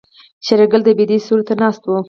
شېرګل د بيدې سيوري ته ناست و.